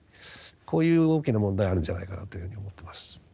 こういう大きな問題があるんじゃないかなというふうに思ってます。